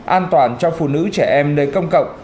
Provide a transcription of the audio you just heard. an toàn cho phụ nữ trẻ em nơi công cộng